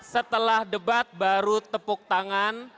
setelah debat baru tepuk tangan